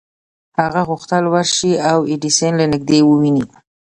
هغه غوښتل ورشي او ایډېسن له نږدې وويني.